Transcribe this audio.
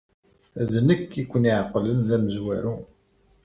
D nekk ay ken-iɛeqlen d amezwaru.